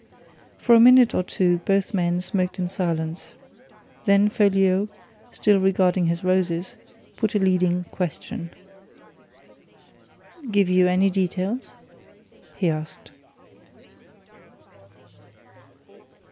For a minute or two both men smoked in silence. Then Folliot still regarding his roses put a leading question. "Give you any details?" he asked.